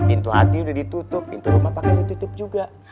pintu hati udah ditutup pintu rumah pake ditutup juga